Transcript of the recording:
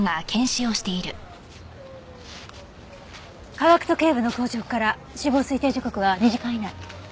下顎と頸部の硬直から死亡推定時刻は２時間以内。